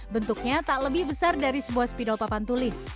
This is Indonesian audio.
bentuknya tak lebih besar dari sebuah spidol papan tulis